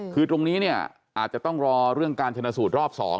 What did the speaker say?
คือตรงนี้เนี่ยอาจจะต้องรอเรื่องการชนะสูตรรอบ๒